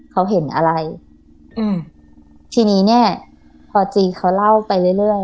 เขาเห็นอะไรอืมทีนี้เนี้ยพอจีเขาเล่าไปเรื่อยเรื่อย